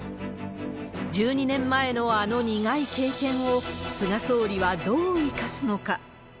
１２年前のあの苦い経験を菅総理はどう生かすのか。